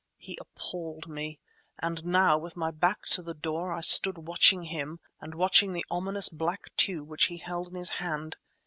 He appalled me; and now, with my back to the door, I stood watching him and watching the ominous black tube which he held in his hand.